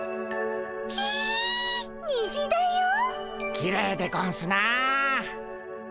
きれいでゴンスなあ。